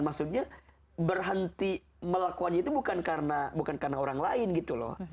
maksudnya berhenti melakukannya itu bukan karena orang lain gitu loh